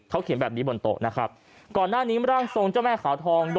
เขาเขียนแบบนี้บนโต๊ะนะครับก่อนหน้านี้ร่างทรงเจ้าแม่ขาวทอง